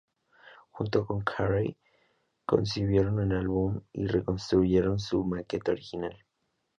Junto con Carey, concibieron el álbum y reconstruyeron su maqueta original.